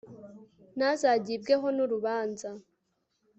ntazagibweho n'urubanza